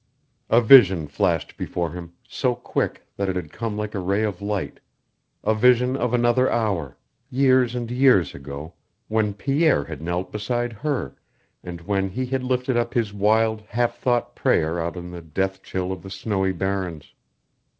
A vision flashed before him, so quick that it had come like a ray of light a vision of another hour, years and years ago, when Pierre had knelt beside HER, and when he had lifted up his wild, half thought prayer out in the death chill of the snowy barrens.